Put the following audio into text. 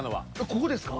ここですか？